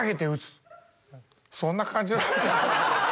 そんな感じ。